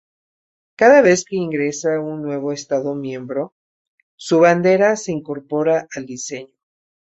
Cada vez que ingresa un nuevo Estado miembro, su bandera se incorpora al diseño.